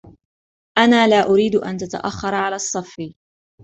أنا لا أريد أن تتأخر على الصف.